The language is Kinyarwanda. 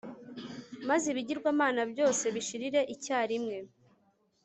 maze ibigirwamana byose bishirire icyarimwe